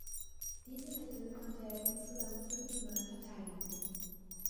Diesen Titel konnte er insgesamt fünfmal verteidigen.